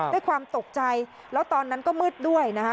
ด้วยความตกใจแล้วตอนนั้นก็มืดด้วยนะคะ